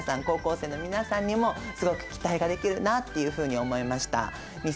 高校生の皆さんにもすごく期待ができるなっていうふうに思いました。